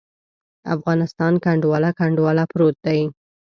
افغانستان کنډواله، کنډواله پروت دی.